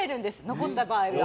残った場合は。